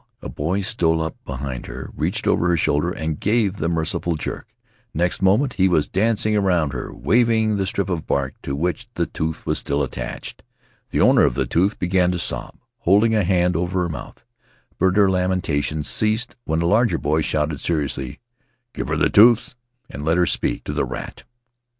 A boy stole up behind her, reached over her shoulder, and gave the merciful jerk; next moment he was dancing around her, waving the strip of bark to which the tooth was still attached. The owner of the tooth began to sob, holding a hand over her mouth, but her lamentations ceased when a larger boy shouted, seriously, "Give her the tooth and let her speak to the rat!"